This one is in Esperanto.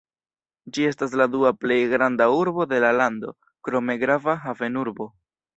Ĝi estas la dua plej granda urbo de la lando, krome grava havenurbo.